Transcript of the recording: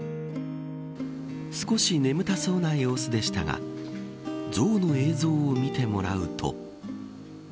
少し眠たそうな様子でしたが象の映像を見てもらうと。